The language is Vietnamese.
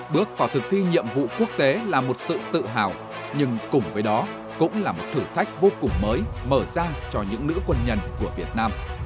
bước vào thực thi nhiệm vụ quốc tế là một sự tự hào nhưng cùng với đó cũng là một thử thách vô cùng mới mở ra cho những nữ quân nhân của việt nam